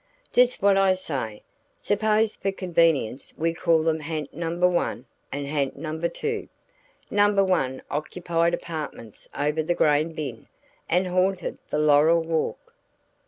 "Just what I say. Suppose for convenience we call them ha'nt number one, and ha'nt number two. Number one occupied apartments over the grain bin and haunted the laurel walk.